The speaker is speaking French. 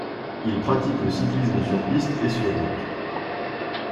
Il pratique le cyclisme sur piste et sur route.